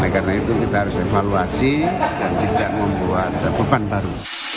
karena itu kita harus evaluasi dan tidak membuat beban baru